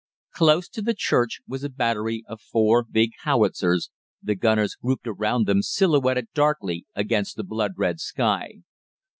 "Close to the church was a battery of four big howitzers, the gunners grouped around them silhouetted darkly against the blood red sky.